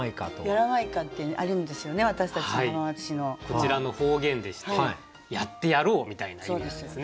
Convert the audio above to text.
こちらの方言でして「やってやろう」みたいな意味なんですね。